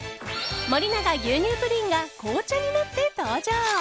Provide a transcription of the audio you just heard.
森永牛乳プリンが紅茶になって登場。